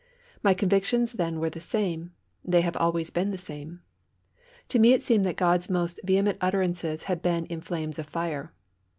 My convictions then were the same, they have always been the same. To me it seemed that God's most vehement utterances had been in flames of fire.